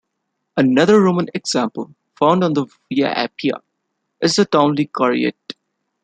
Another Roman example, found on the Via Appia, is the Townley Caryatid.